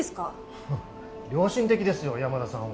ハハッ良心的ですよ山田さんは。